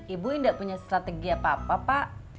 ibu ini tidak punya strategi apa apa pak